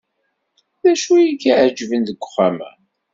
D acu ay k-iɛejben deg uxxam-a?